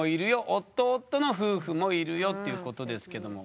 夫夫の夫夫もいるよっていうことですけども。